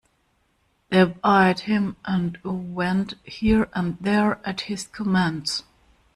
They obeyed him, and went here and there at his commands.